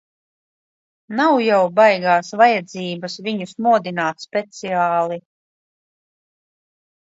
Nav jau baigās vajadzības viņus modināt speciāli.